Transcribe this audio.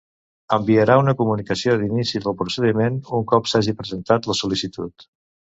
Enviarà una comunicació d'inici del procediment un cop s'hagi presentat la sol·licitud.